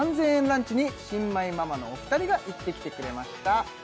ランチに新米ママのお二人が行ってきてくれました